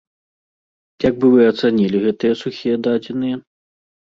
Як бы вы ацанілі гэтыя сухія дадзеныя?